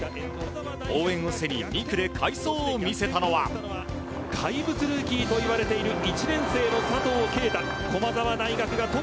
応援を背に２区で快走を見せたのは怪物ルーキーといわれている１年生の佐藤圭汰。